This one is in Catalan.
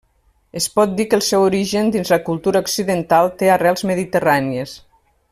Es pot dir que el seu origen dins la cultura occidental té arrels mediterrànies.